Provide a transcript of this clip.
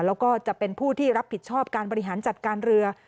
แล้วก็จะเป็นผู้ที่รับผิดชอบการบริหารจัดการเรือ